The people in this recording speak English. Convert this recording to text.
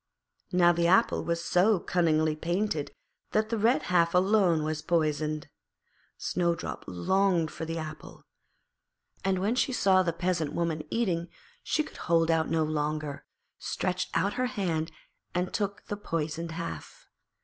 Now the apple was so cunningly painted that the red half alone was poisoned. Snowdrop longed for the apple, and when she saw the Peasant Woman eating she could hold out no longer, stretched out her hand and took the poisoned half.